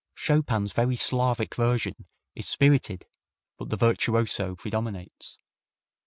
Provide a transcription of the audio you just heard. Chopin's very Slavic version is spirited, but the virtuoso predominates.